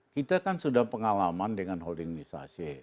kita kan sudah pengalaman dengan holdingisasi